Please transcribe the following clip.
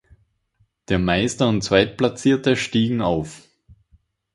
Der Meister und Zweitplatzierte stiegen auf.